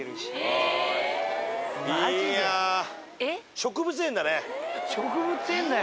植物園だよ。